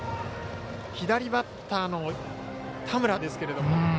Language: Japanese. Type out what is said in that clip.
左バッターの田村ですけれども。